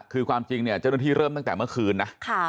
คือความจริงเนี่ยเจ้าหน้าที่เริ่มตั้งแต่เมื่อคืนนะ